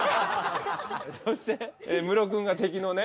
そしてムロ君が敵のね。